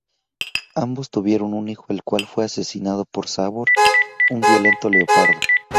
Ambos tuvieron un hijo el cual fue asesinado por Sabor, un violento leopardo.